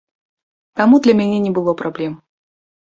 Таму для мяне не было праблем.